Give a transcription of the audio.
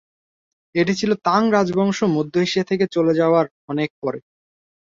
এটি ছিল তাং রাজবংশ মধ্য এশিয়া থেকে চলে যাওয়ার অনেক পরে।